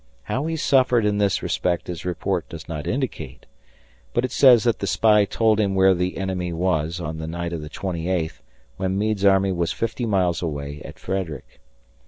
How he suffered in this respect his report does not indicate, but it says that the spy told him where the enemy were on the night of the twenty eighth when Meade's army was fifty miles away at Frederick.